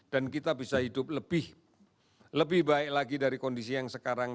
dan kita bisa hidup lebih baik lagi dari kondisi yang sekarang